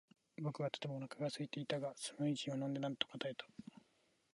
僕はとてもお腹がすいていたが、スムージーを飲んでなんとか耐えた。